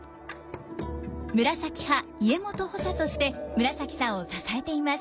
紫派家元補佐として紫さんを支えています。